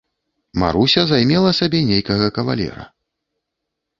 Маруся займела сабе нейкага кавалера.